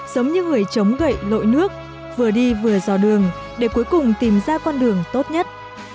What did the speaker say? giống như người chống gậy lội nước vừa đi vừa dò đường để cuối cùng tìm ra con đường tốt nhất